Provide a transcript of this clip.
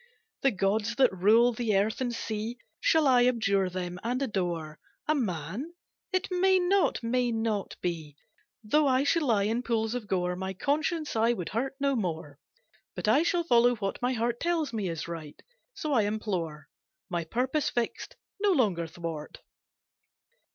"The gods that rule the earth and sea, Shall I abjure them and adore A man? It may not, may not be; Though I should lie in pools of gore My conscience I would hurt no more; But I shall follow what my heart Tells me is right, so I implore My purpose fixed no longer thwart.